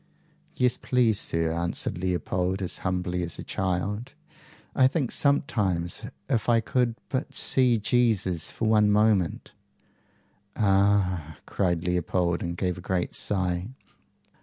"Yes, please, sir," answered Leopold, as humbly as a child. "I think sometimes, if I could but see Jesus for one moment " "Ah!" cried Leopold, and gave a great sigh.